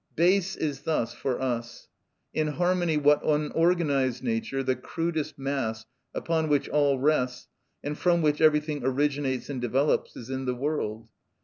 Bass is thus, for us, in harmony what unorganised nature, the crudest mass, upon which all rests, and from which everything originates and develops, is in the world.